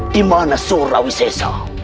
di mana surawi sesa